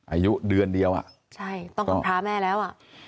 อายุเดือนเดียวต้องกับพระแม่แล้ว